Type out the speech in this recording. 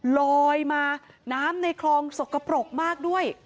ลอยมาน้ำในครองอศกปรกมาก